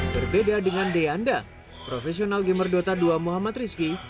berbeda dengan deanda profesional gamer dota dua muhammad rizki